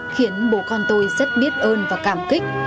khiến bố con tôi rất biết ơn và cảm kích